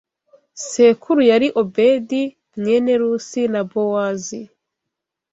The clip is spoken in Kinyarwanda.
Sekuru yari Obedi mwene Rusi na Bowazi.